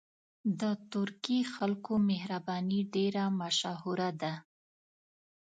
د ترکي خلکو مهرباني ډېره مشهوره ده.